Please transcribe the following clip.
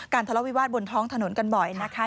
ทะเลาวิวาสบนท้องถนนกันบ่อยนะคะ